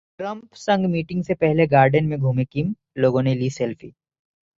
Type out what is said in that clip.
Trump संग meeting से पहले गार्डन में घूमे किम, लोगों ने ली सेल्फी